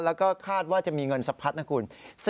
แล้วก็คาดว่าจะมีเงินสะพัดนะคุณ